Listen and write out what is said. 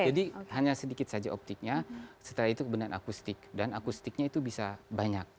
jadi hanya sedikit saja optiknya setelah itu kemudian akustik dan akustiknya itu bisa banyak